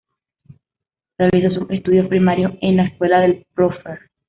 Realizó sus estudios primarios en la escuela del Profr.